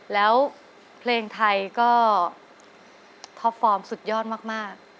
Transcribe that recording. แล้วเพลงไทยก็ท็อปฟอร์มสุดยอดมาก